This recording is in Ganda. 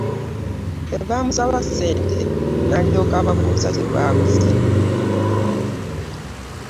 Bwe baamusaba ssente, n’alyoka ababuuza ky’aguze.